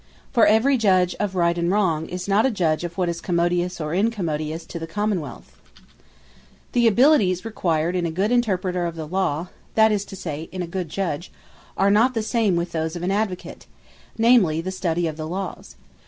For every Judge of Right, and Wrong, is not Judge of what is Commodious, or Incommodious to the Common wealth. The Abilities Required In A Judge The abilities required in a good Interpreter of the Law, that is to say, in a good Judge, are not the same with those of an Advocate; namely the study of the Lawes.